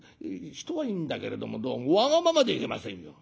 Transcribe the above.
人はいいんだけれどもどうもわがままでいけませんよ。